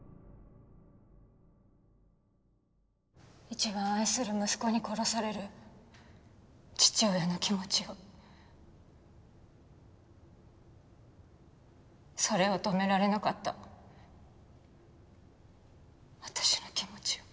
一番愛する息子に殺される父親の気持ちをそれを止められなかった私の気持ちを